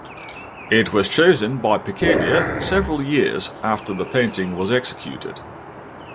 It was chosen by Picabia several years after the painting was executed.